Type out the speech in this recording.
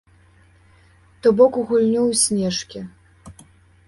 То бок у гульню ў снежкі.